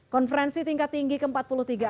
konferensi tingkat tinggi ke empat puluh empat asean